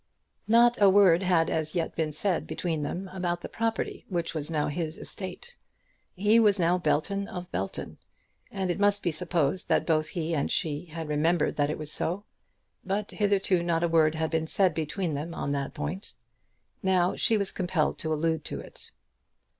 Not a word had as yet been said between them about the property which was now his estate. He was now Belton of Belton, and it must be supposed that both he and she had remembered that it was so. But hitherto not a word had been said between them on that point. Now she was compelled to allude to it.